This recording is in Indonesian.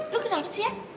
lu kenapa sih ya